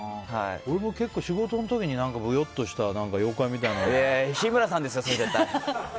俺も結構仕事の時に、ぼよっとした日村さんですよ、それ絶対。